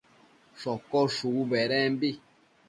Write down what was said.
shocosh shubu bedembi